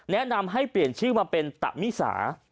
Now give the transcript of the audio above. แนะนำให้เปลี่ยนชื่อมาเป็นตะมิสา